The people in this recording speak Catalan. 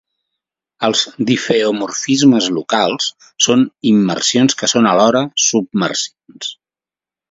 Els difeomorfismes locals són immersions que són alhora submersions.